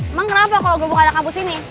emang kenapa kalau gue buka anak kampus ini